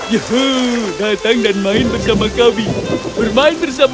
yuhuu datang dan main bersama kami bermain bersama kami